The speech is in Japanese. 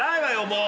もう。